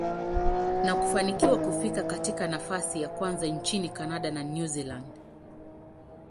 na kufanikiwa kufika katika nafasi ya kwanza nchini Canada na New Zealand.